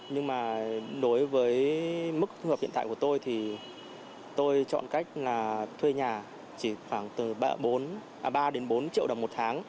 nhưng mà đối với mức hợp hiện tại của tôi thì tôi chọn cách là thuê nhà chỉ khoảng từ ba đến bốn triệu đồng một tháng